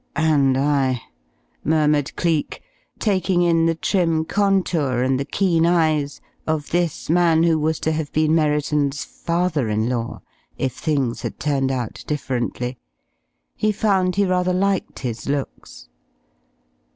"And I," murmured Cleek, taking in the trim contour and the keen eyes of this man who was to have been Merriton's father in law if things had turned out differently. He found he rather liked his looks.